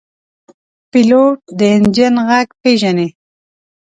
پیلوټ د انجن غږ پېژني.